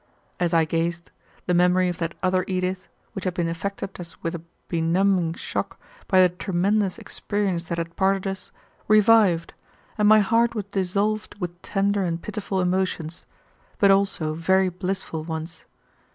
As I gazed, the memory of that other Edith, which had been affected as with a benumbing shock by the tremendous experience that had parted us, revived, and my heart was dissolved with tender and pitiful emotions, but also very blissful ones.